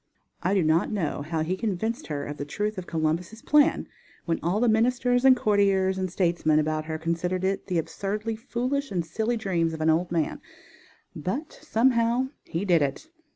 I do not know how he convinced her of the truth of Columbus' plan, when all the ministers and courtiers and statesmen about her considered it the absurdly foolish and silly dream of an old man; but, somehow, he did it.